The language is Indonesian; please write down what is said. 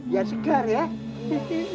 ya allah yang kuanggu